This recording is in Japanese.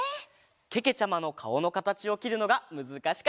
けけちゃまのかおのかたちをきるのがむずかしかったんだって。